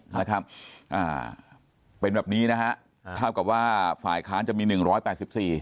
นะครับอ่าเป็นแบบนี้นะฮะอ่าเท่ากับว่าฝ่ายค้านจะมีหนึ่งร้อยแปดสิบสี่